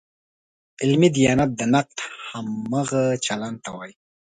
علمي دیانت د نقد همغه چلن ته وایي.